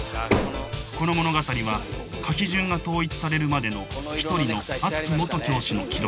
この物語は書き順が統一されるまでの一人の熱き元教師の記録